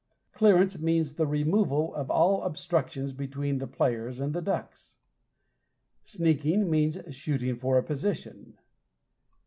Clearances means the removal of all obstructions between the players and the ducks. Sneaking means shooting for a position.